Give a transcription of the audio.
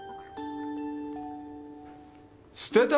捨てた？